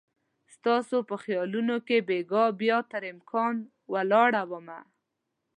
ستا په خیالونو کې بیګا بیا تر امکان ولاړ مه